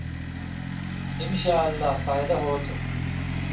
انشاءاللہ فائدہ ہوتُھو۔